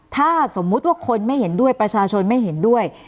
ถ้าสมมุติว่าคนไม่เห็นด้วยประชาชนไม่เห็นด้วย